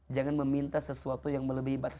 jangan meminta sesuatu yang melebihi batas